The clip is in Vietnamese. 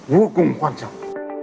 vô cùng quan trọng